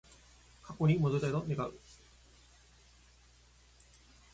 過去に戻りたいと願う